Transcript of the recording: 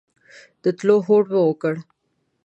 د تلو هوډ مو وکړ.